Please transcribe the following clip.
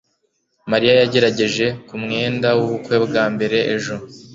mariya yagerageje ku mwenda w'ubukwe bwa mbere ejo